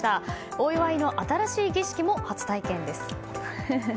お祝いの新しい儀式も初体験です。